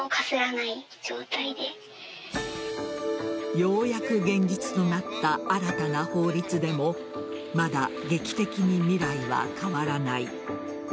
ようやく現実となった新たな法律でもまだ、劇的に未来は変わらない。